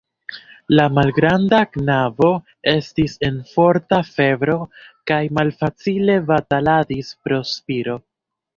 La malgranda knabo estis en forta febro kaj malfacile bataladis pro spiro.